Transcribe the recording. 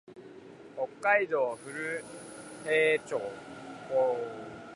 北海道古平町